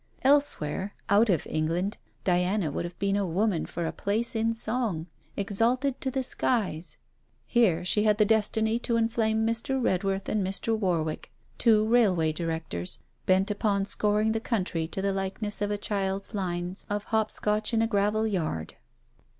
Elsewhere, out of England, Diana would have been a woman for a place in song, exalted to the skies. Here she had the destiny to inflame Mr. Redworth and Mr. Warwick, two railway Directors, bent upon scoring the country to the likeness of a child's lines of hop scotch in a gravel yard.